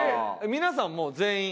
皆さんもう全員？